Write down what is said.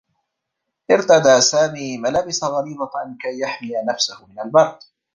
ارتدى سامي ملابس غليظة كي يحمي نفسه من البرد.